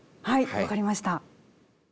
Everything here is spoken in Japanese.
はい分かりました。